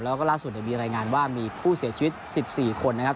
แล้วก็ล่าสุดมีรายงานว่ามีผู้เสียชีวิต๑๔คนนะครับ